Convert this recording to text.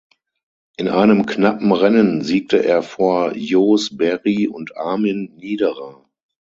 In einem knappen Rennen siegte er vor Joos Berry und Armin Niederer.